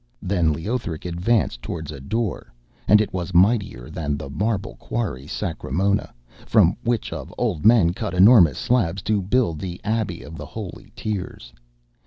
Then Leothric advanced towards a door, and it was mightier than the marble quarry, Sacremona, from which of old men cut enormous slabs to build the Abbey of the Holy Tears.